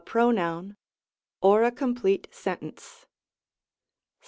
161 noun, or a complete sentence.